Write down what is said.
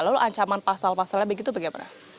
lalu ancaman pasal pasalnya begitu bagaimana